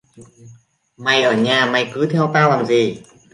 Mày ở nhà mày chứ theo tao làm gì